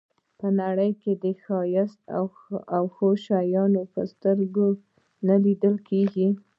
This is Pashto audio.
په نړۍ کې ښایسته او ښه شیان په سترګو نه لیدل کېږي.